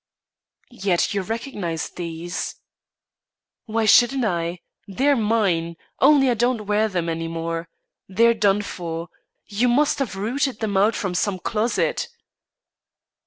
_" "Yet you recognise these?" "Why shouldn't I? They're mine. Only I don't wear them any more. They're done for. You must have rooted them out from some closet."